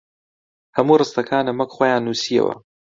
هەموو ڕستەکانم وەک خۆیان نووسییەوە